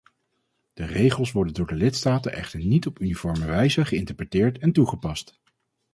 Deze regels worden door de lidstaten echter niet op uniforme wijze geïnterpreteerd en toegepast.